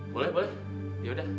boleh boleh ya udah